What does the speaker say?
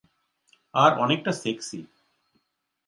আর অনেকটা সেক্সি।